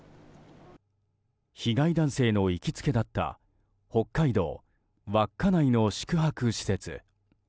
被害男性の行きつけだった北海道稚内の宿泊施設。